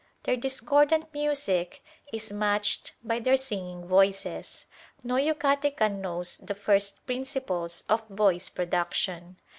Their discordant music is matched by their singing voices. No Yucatecan knows the first principles of voice production.